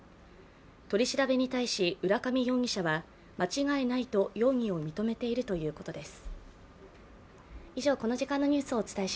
取り調べに対し浦上容疑者は間違いないと容疑を認めているということです。